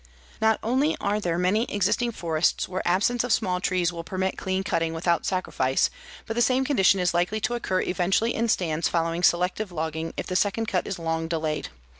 Not only are there many existing forests where absence of small trees will permit clean cutting without sacrifice, but the same condition is likely to occur eventually in stands following selective logging if the second cut is long delayed.